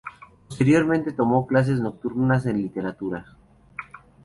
Posteriormente tomó clases nocturnas en literatura.